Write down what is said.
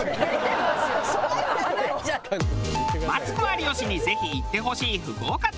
マツコ有吉にぜひ行ってほしい福岡旅。